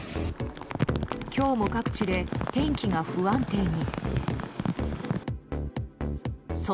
今日も各地で天気が不安定に。